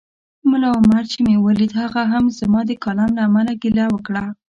ملا عمر چي مې ولید هغه هم زما د کالم له امله ګیله وکړه